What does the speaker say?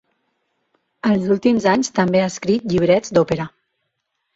Els últims anys també ha escrit llibrets d'òpera.